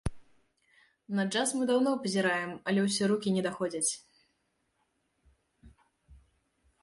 На джаз мы даўно пазіраем, але ўсё рукі не даходзяць.